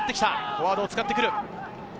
フォワードを使ってくる。